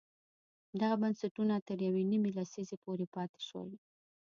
دغه بنسټونه تر یوې نیمې لسیزې پورې پاتې شول.